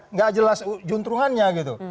nggak jelas juntruannya gitu